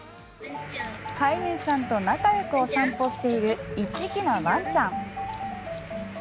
飼い主さんと仲よくお散歩している１匹のワンちゃん。